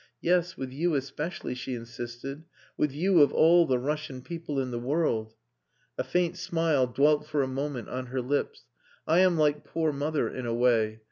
"Yes, with you especially," she insisted. "With you of all the Russian people in the world...." A faint smile dwelt for a moment on her lips. "I am like poor mother in a way.